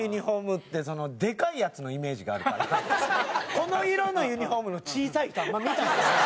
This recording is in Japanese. この色のユニホームの小さい人あんま見た事ない。